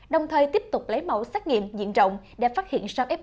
đồng thời tiếp tục lấy mẫu xét nghiệm diện rộng để phát hiện sao f